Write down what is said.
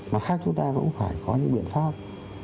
mặt khác chúng ta cũng phải có những biện pháp